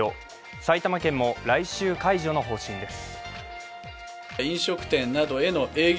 埼玉県も来週、解除の方針です。